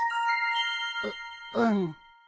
うっうん。